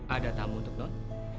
ada tamu untuk non